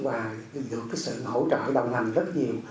và được sự hỗ trợ đồng hành rất nhiều